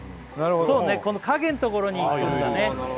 そうねこの陰んところにいくんだね